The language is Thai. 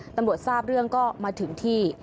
ตำรวจทราบเรื่องก็มาถึงที่